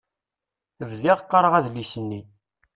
Bdiɣ qqaṛeɣ adlis-nni.